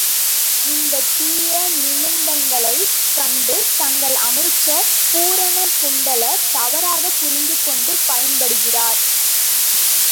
இந்தத் தீய நிமித்தங்களைக் கண்டு தங்கள் அமைச்சர் பூரணகுண்டலர் தவறாகப் புரிந்து கொண்டு பயப்படுகிறார்.